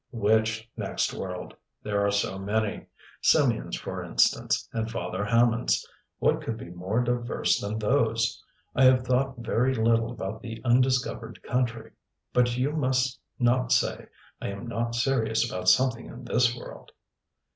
"Which next world? There are so many. Symeon's for instance, and Father Hammond's. What could be more diverse than those? I have thought very little about the undiscovered country. But you must not say I am not serious about something in this world."